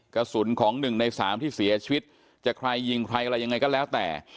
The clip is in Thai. กระสุนของ๑ใน๓ที่เสียชีวิตจะใครยิงใครอะไรยังไงก็แล้วแต่